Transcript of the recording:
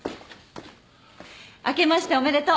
あけましておめでとう。